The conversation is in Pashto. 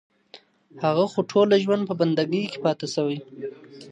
هغه خو ټوله ژوند په بندګي كي پــاته سـوى